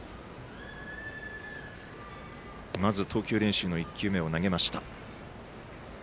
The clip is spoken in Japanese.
投球練習の１球目を投げました。